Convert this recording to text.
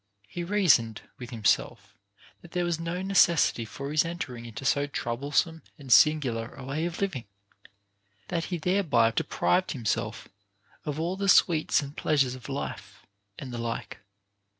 He reasoned with himself, that there was no necessity for his entering into so troublesome and singular a way of living, that he thereby deprived himself of all the sweets and pleasures of life, and the like.